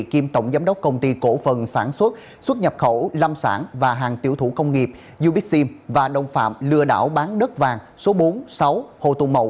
kiêm tổng giám đốc công ty cổ phần sản xuất xuất nhập khẩu lâm sản và hàng tiểu thủ công nghiệp ubixim và đồng phạm lừa đảo bán đất vàng số bốn mươi sáu hồ tùng mậu